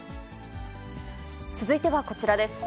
続いてはこちらです。